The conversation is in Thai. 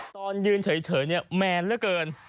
ตอนยืนเฉยเนี่ยแมนเหลือเกิน